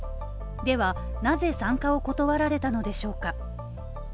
では、なぜ参加を断られたのでしょうか。